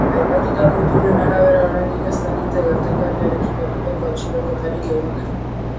Aipatutako iturrien arabera, oraindik ez dakite gertakariarekin lotutako atxiloketarik egon den.